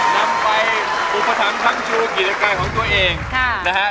นำไปอุปถัมภ์ทั้งจุฬกิรกลางของตัวเอง